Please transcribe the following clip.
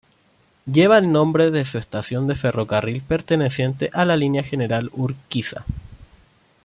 Lleva el nombre de su estación de ferrocarril perteneciente a la línea General Urquiza.